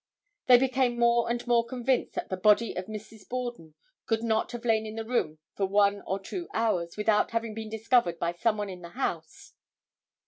They became more and more convinced that the body of Mrs. Borden could not have lain in the room for one or two hours, without having been discovered by some one in the house.